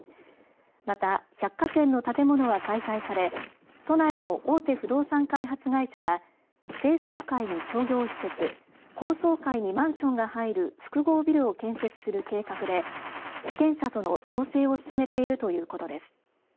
また、百貨店の建物は解体され都内の大手不動産開発会社が低層階に商業施設高層階にマンションが入る複合ビルを建設する計画で地権者との調整を進めているということです。